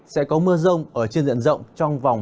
sẽ có mưa rông ở trên diện rộng trong vòng